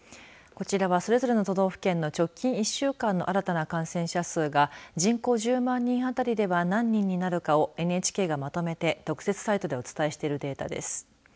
こちらは、それぞれの都道府県の直近１週間の新たな感染者数が人口１０万人あたりでは何人になるかをＮＨＫがまとめて特設サイトでお伝えしているデータです。